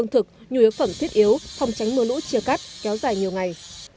thực nhu yếu phẩm thiết yếu phòng tránh mưa lũ chia cắt kéo dài nhiều ngày